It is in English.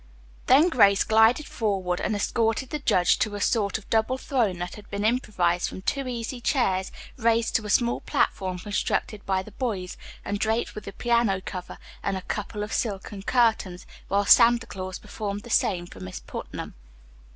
Then Grace glided forward and escorted the judge to a sort of double throne that had been improvised from two easy chairs raised to a small platform constructed by the boys, and draped with the piano cover, and a couple of silken curtains, while Santa Claus performed the same office for Miss Putnam.